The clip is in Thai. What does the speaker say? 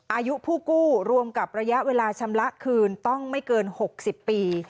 อายุผู้กู้รวมกับระยะเวลาชำระคืนต้องไม่เกิน๖๐ปี